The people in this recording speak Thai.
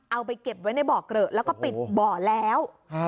เอาไปเก็บไว้ในเบาะเกลอะแล้วก็ปิดเบาะแล้ว